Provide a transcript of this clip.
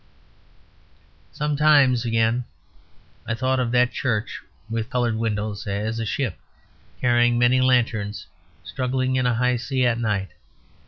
Sometimes, again, I thought of that church with coloured windows as a ship carrying many lanterns struggling in a high sea at night.